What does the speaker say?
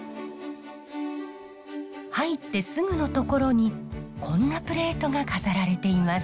入ってすぐの所にこんなプレートが飾られています。